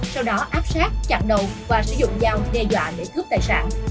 sau đó áp sát chặn đầu và sử dụng dao đe dọa để cướp tài sản